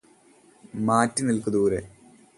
മാറി നില്ക്ക് ദൂരെ